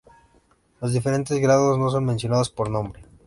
Los diferentes grados no son mencionados por nombre.